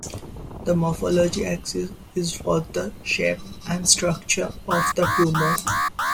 The morphology axis is for the shape and structure of the tumor.